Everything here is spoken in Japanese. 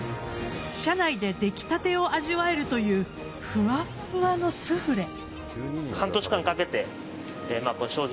車内で出来立てを味わえるというふわふわのスフレ。